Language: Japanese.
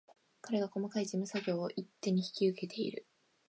彼が細かい事務作業を一手に引き受けている